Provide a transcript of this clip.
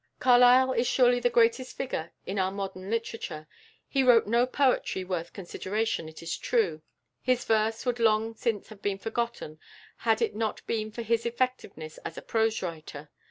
Carlyle is surely the greatest figure in our modern literature. He wrote no poetry worth consideration, it is true. His verse would long since have been forgotten had it not been for his effectiveness as a prose writer.